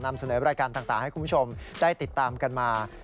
นำเสนอรายการต่างให้คุณผู้ชมได้ติดตามกันมา